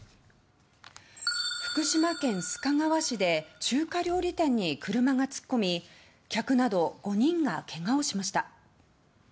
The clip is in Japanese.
福島県須賀川市で、中華料理店に車が突っ込み客など５人がけがをしました。